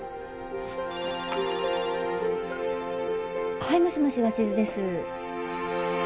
はいもしもし鷲津です。